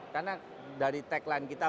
karena dari tagline kita